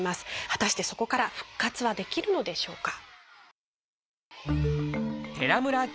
果たしてそこから復活はできるのでしょうか？